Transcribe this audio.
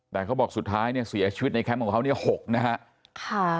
แต่เขาบอกสุดท้ายสี่อย่างชีวิตในแคมป์นี้๖นะฮะ